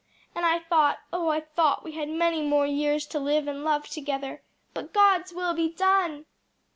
And I thought, oh I thought we had many more years to live and love together! But God's will be done!"